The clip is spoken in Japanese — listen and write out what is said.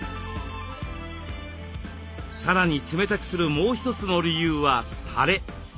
さらに冷たくするもう一つの理由はたれ。